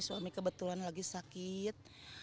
suami kebetulan lagi sakit